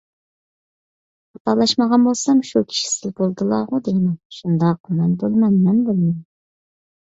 _ خاتالاشمىغان بولسام شۇ كىشى سىلى بولىدىلاغۇ دەيمەن؟ − شۇنداق، مەن بولىمەن، مەن بولىمەن.